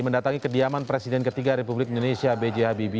mendatangi kediaman presiden ketiga republik indonesia bghbb